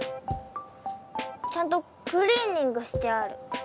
ちゃんとクリーニングしてある。